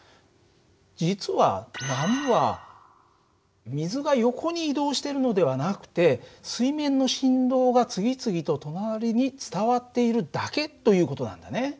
実は波は水が横に移動しているのではなくて水面の振動が次々と隣に伝わっているだけという事なんだね。